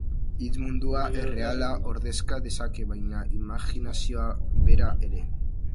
Hitzak mundu erreala ordezka dezake, baita imajinarioa bera ere.